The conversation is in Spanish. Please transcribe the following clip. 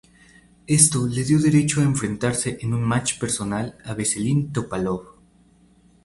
Esto le dio derecho a enfrentarse en un match personal a Veselin Topalov.